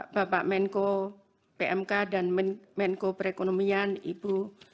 bapak menko pmk dan menko perekonomian ibu